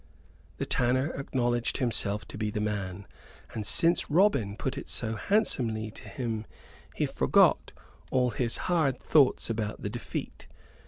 The tanner acknowledged himself to be the man, and since Robin put it so handsomely to him he forgot all his hard thoughts about the defeat.